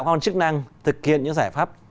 con chức năng thực hiện những giải pháp